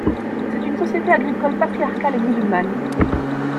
C'est une société agricole patriarcale et musulmane.